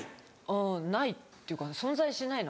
うんないっていうか存在しないの。